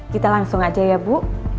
kita langsung aja ya bu